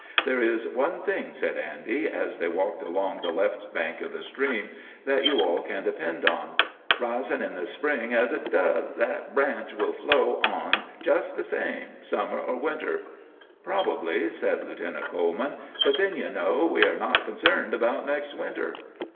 "There is one thing," said Andy, as they walked along the left bank of the stream, "that you all can depend on. Risin' in the spring as hit does, that branch will flow on just the same, summer or winter." "Probably," said Lieutenant Coleman; "but then, you know, we are not concerned about next winter."